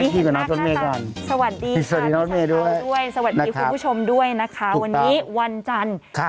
สวัสดีค่ะสวัสดีคุณผู้ชมด้วยนะคะวันนี้วันจันทร์